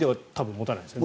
持たないですね。